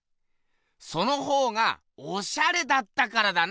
そのほうがオシャレだったからだな！